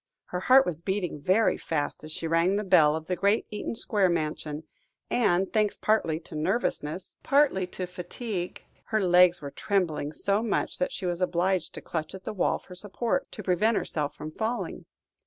Her heart was beating very fast as she rang the bell of the great Eaton Square mansion, and, thanks partly to nervousness, partly to fatigue, her legs were trembling so much, that she was obliged to clutch at the wall for support, to prevent herself from falling.